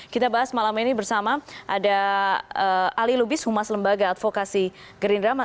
kita bahas malam ini bersama ada ali lubis humas lembaga advokasi gerindra